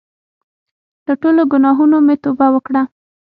له ټولو ګناهونو مې توبه وکړه.